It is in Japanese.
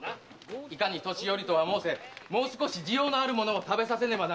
いかに年寄りとは申せもう少し滋養のあるものを食べさせねばなりません。